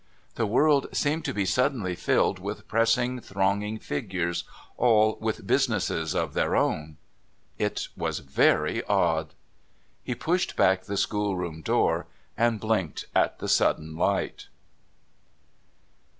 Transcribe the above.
The world seemed to be suddenly filled with pressing, thronging figures, all with businesses of their own. It was very odd. He pushed back the schoolroom door and blinked at the sudden light.